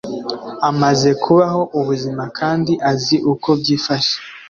amaze kubaho ubuzima kandi azi uko byifashe